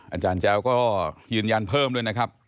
อาจารย์แจ้วก็ยืนยันเพิ่มด้วยนะครับ